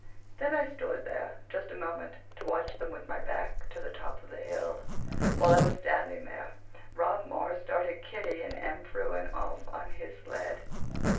Then I stood there just a moment to watch them with my back to the top of the hill. While I was standing there Rob Marr started Kitty and Em Frewen off on his sled.